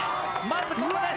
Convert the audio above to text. まずここで。